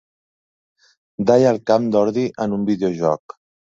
Dalla el camp d'ordi en un videojoc.